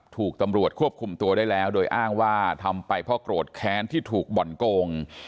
ถูกตำรวจควบคุมตัวได้แล้วโดยอ้างว่าทำไปเพราะโกรธแค้นที่ถูกบ่อนโกง